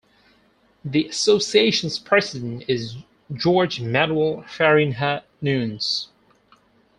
The Association's President is Jorge Manuel Farinha Nunes.